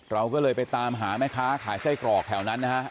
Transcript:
เราก็เลยไปตามหาแม่ค้าขายไส้กรอกแถวนั้นนะฮะ